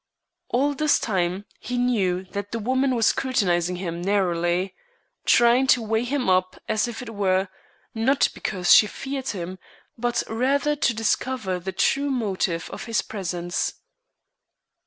All this time he knew that the woman was scrutinizing him narrowly trying to weigh him up as it were, not because she feared him, but rather to discover the true motive of his presence.